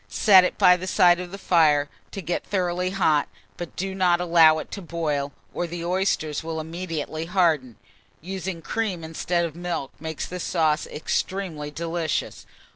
Set it by the side of the fire to get thoroughly hot, but do not allow it to boil, or the oysters will immediately harden. Using cream instead of milk makes this sauce extremely delicious.